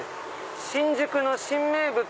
「新宿の新名物！